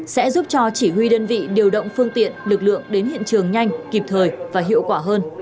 sẽ giúp cho chỉ huy đơn vị điều động phương tiện lực lượng đến hiện trường nhanh kịp thời và hiệu quả hơn